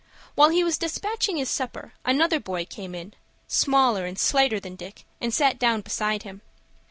While he was despatching his supper, another boy came in, smaller and slighter than Dick, and sat down beside him.